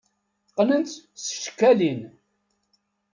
Qqnent-tt s tcekkalin.